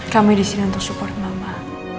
kami disini untuk support mama